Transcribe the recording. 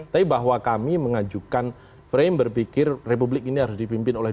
tapi bahwa kami mengajukan frame berpikir republik ini harus dipimpin oleh